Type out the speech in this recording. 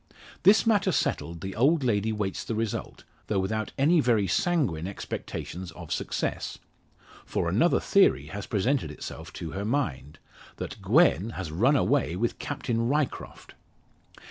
This matter settled, the old lady waits the result, though without any very sanguine expectations of success. For another theory has presented itself to her mind that Gwen has run away with Captain Ryecroft!